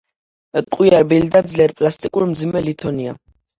ტყვია რბილი და ძლიერ პლასტიკური მძიმე ლითონია.